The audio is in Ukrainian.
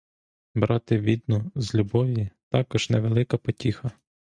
Брати бідну з любові — також невелика потіха!